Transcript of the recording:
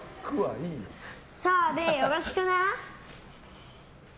澤部、よろしくな。